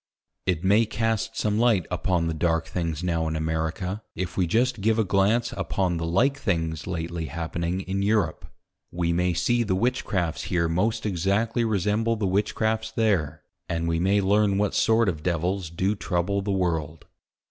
It may cast some Light upon the Dark things now in America, if we just give a glance upon the like things lately happening in Europe. We may see the Witchcrafts here most exactly resemble the Witchcrafts there; and we may learn what sort of Devils do trouble the World.